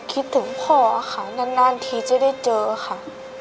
คิดถึงพ่อค่ะนานทีจะได้เจอค่ะ